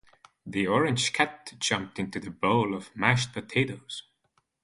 The orange cat jumped into the bowl of mashed potatoes.